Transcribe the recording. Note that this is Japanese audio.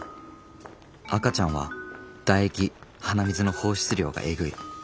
赤ちゃんは唾液鼻水の放出量がエグい。